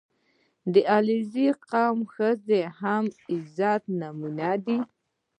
• د علیزي قوم ښځې هم د غیرت نمونې دي.